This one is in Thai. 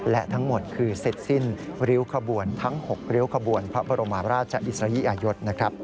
และทั้งหมดคือเสร็จสิ้นริ้วขบวนทั้ง๖ริ้วขบวนพระบรมราชอิสริยยศ